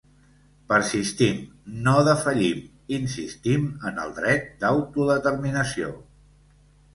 Persistim, no defallim, insistim en el dret d’autodeterminació.